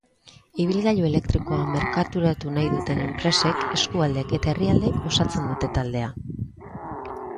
Ibilgailu elektrikoa merkaturatu nahi duten enpresek, eskualdeek eta herrialdeek osatzen dute taldea.